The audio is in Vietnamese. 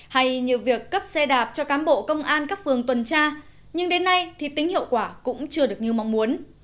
hay như việc cấp xe đạp cho cám bộ công an các phường tuần tra nhưng đến nay thì tính hiệu quả cũng chưa được như mong muốn